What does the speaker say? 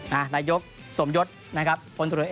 นายกสมุยศนะครับคนตัวเอก